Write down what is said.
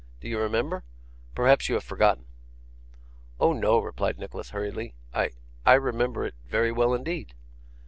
Do you remember? Perhaps you have forgotten.' 'Oh no,' replied Nicholas, hurriedly. 'I I remember it very well indeed.